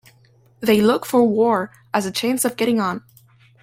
They look for war as a chance of getting on.